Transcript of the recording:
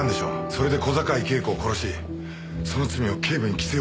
それで小坂井恵子を殺しその罪を警部に着せようとした。